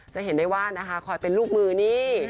จะเห็นได้ว่านะคะคอยเป็นลูกมือนี่